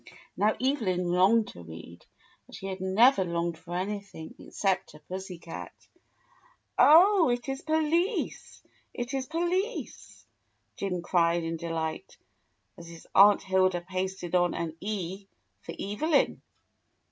Now Evelyn longed to read as she had never longed for anything except a pussy cat. "Oh, it is 'Police,' it is 'Police'!" Jim cried in de light, as his Aunt Hilda pasted on an E for Evelyn.